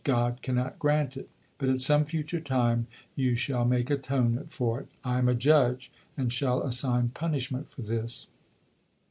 'God cannot grant it,' but at some future time you shall make atonement for it; I am a judge and shall assign punishment for this."